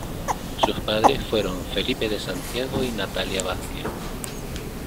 Sus padres fueron Felipe de Santiago y Natalia Vázquez.